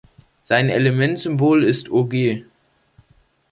Sein Elementsymbol ist Og.